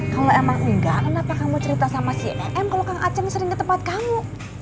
kalau emang enggak kenapa kamu cerita sama cnn kalau kang aceh sering ke tempat kamu